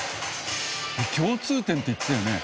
共通点って言ってたよね。